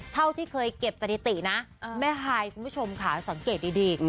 เท่าที่เคยเก็บสถิตินะแม่ฮายคุณผู้ชมค่ะสังเกตดี